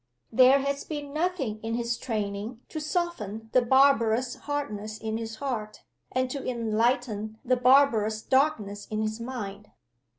There has been nothing in his training to soften the barbarous hardness in his heart, and to enlighten the barbarous darkness in his mind.